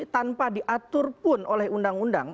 tanpa diatur pun oleh undang undang